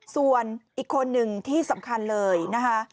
ส่วนอีกคนหนึ่งที่สำคัญเลยนะคะ